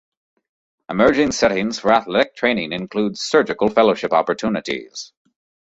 Emerging settings for athletic training include surgical fellowship opportunities.